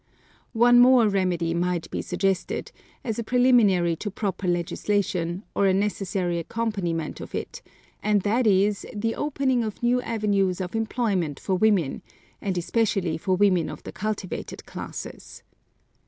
One more remedy might be suggested, as a preliminary to proper legislation, or a necessary accompaniment of it, and that is, the opening of new avenues of employment for women, and especially for women of the cultivated classes.